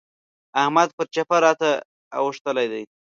احمد پر چپه راته اوښتلی دی.